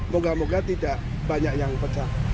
moga moga tidak banyak yang pecah